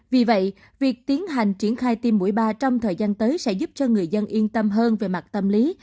vì vậy việc tiến hành triển khai tiêm mũi ba trong thời gian tới sẽ giúp cho người dân yên tâm hơn về mặt tâm lý